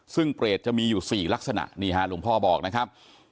ซึ่งเปรตจะมีอยู่๔ลักษณะนี่ฮะหลวงพ่อบอกนะครับ